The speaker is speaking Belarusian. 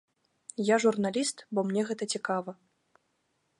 Я журналіст, бо мне гэта цікава.